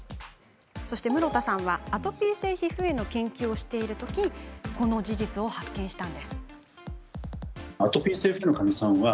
室田さんはアトピー性皮膚炎の研究をしているときにこの事実を発見しました。